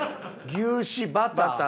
牛脂バター。